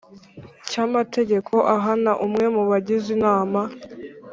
Cy amategeko ahana umwe mu bagize inama